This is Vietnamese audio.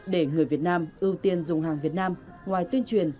để người việt nam ưu tiên dùng hàng việt nam ngoài tuyên truyền